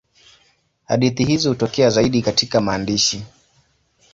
Hadithi hizi hutokea zaidi katika maandishi.